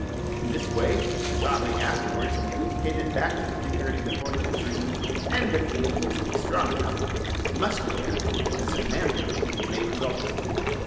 In this way the thought may afterward be duplicated back to the thinker in the form of a dream, and, if the impulse be strong enough, muscular action and somnambulism may result.